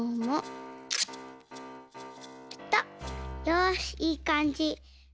よしいいかんじ。